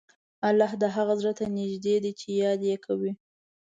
الله د هغه زړه ته نږدې دی چې یاد یې کوي.